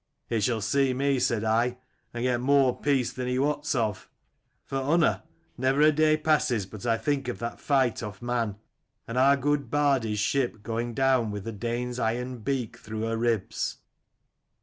"' He shall see me,' said I, 'and get more peace than he wots of.' "For Unna, never a day passes but I think of that fight off Man, and our good Bardi's ship going down with the Dane's iron beak through her ribs.